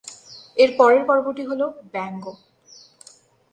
এর পরের পর্বটি হল "ব্যঙ্গ"।